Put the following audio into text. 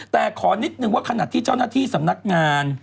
แต่ขอนิดนึงว่าขณะที่เจ้าหน้าที่สำนักงาน